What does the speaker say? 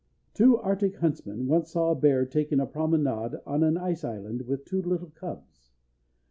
Two arctic huntsmen once saw a bear taking a promenade on an ice island with two little cubs.